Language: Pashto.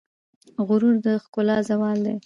غرور د ښکلا زوال دی.